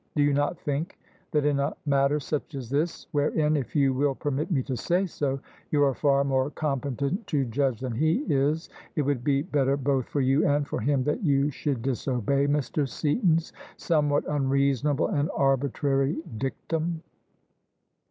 Do you not think that in a matter such as this — wherein, if you will permit me to say so, you are far more competent to judge than he is — ^it would be better both for you and for him that you should disobey Mr. Seaton's some what unreasonable and arbitrary dictum?"